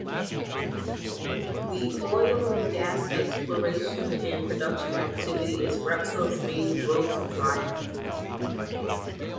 The oil and gas exploration and production activity is Repsol's main growth driver.